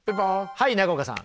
はい中岡さん。